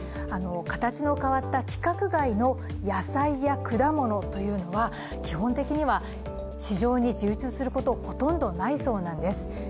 形の変わった規格外の野菜や果物というのは、基本的には市場に流通することほとんどないそうなんです。